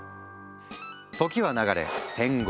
時は流れ戦後。